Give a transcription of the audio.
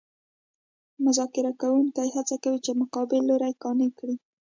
مذاکره کوونکي هڅه کوي چې مقابل لوری قانع کړي